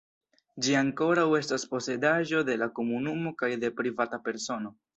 Ĝi ankoraŭ estas posedaĵo de la komunumo kaj de privata persono.